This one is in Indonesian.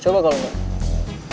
coba kalau enggak